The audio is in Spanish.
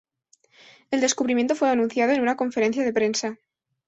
El descubrimiento fue anunciado en una conferencia de prensa.